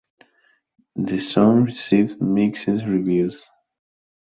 The song received mixed reviews.